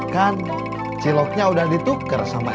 kan ciloknya udah dituker sama es teh manis